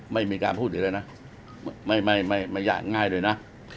ไม่มีการพูดอีกเลยนะไม่ง่ายด้วยนะ